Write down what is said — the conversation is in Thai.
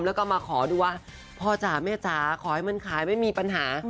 แล้วก็มาขอดูว่าพ่อจ๋าแม่จ๋าขอให้มันขายไม่มีปัญหา